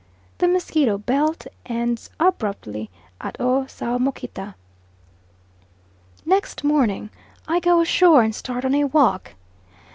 The mosquito belt ends abruptly at O'Soamokita. Next morning I go ashore and start on a walk.